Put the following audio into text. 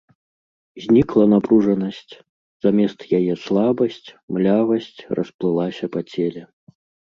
Знікла напружанасць, замест яе слабасць, млявасць расплылася па целе.